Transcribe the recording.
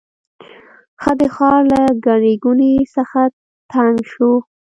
هغه د ښار له ګڼې ګوڼې څخه تنګ شو.